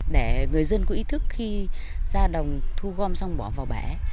để người dân có ý thức khi ra đồng thu gom xong bỏ vào bể